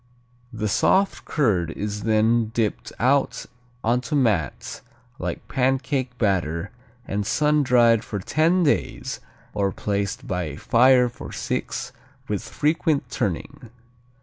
The soft curd is then dipped out onto mats like pancake batter and sun dried for ten days or placed by a fire for six, with frequent turning.